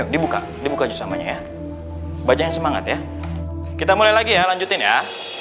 dibuka buka aja samanya ya bajang semangat ya kita mulai lagi ya lanjutin ya